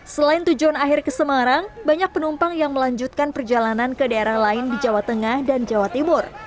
selain tujuan akhir ke semarang banyak penumpang yang melanjutkan perjalanan ke daerah lain di jawa tengah dan jawa timur